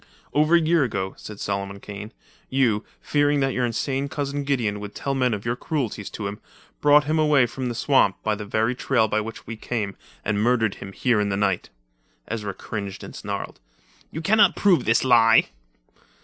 "Over a year ago," said Solomon Kane, "you, fearing that your insane cousin Gideon would tell men of your cruelties to him, brought him away from the swamp by the very trail by which we came, and murdered him here in the night." Ezra cringed and snarled. "You can not prove this lie!"